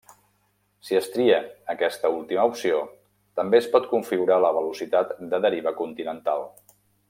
Si es tria aquesta última opció, també es pot configurar la velocitat de deriva continental.